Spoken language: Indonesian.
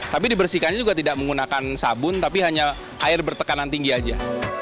tapi dibersihkannya juga tidak menggunakan sabun tapi hanya air bertekanan tinggi aja